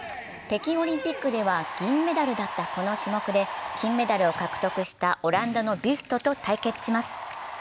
北京オリンピックでは銀メダルだったこの種目で金メダルを獲得したオランダのビュストと対決します。